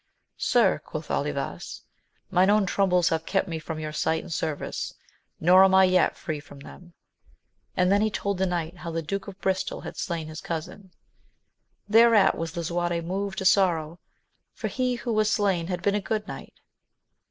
Sir, quoth Olivas, mine own troubles have kept me from your sight and service, nor am I yet free from them ; and then he told the king how the Duke of Bristol had slain his cousin. Thereat was lisuarte moved to sorrow, for he who was slain had been a good knight.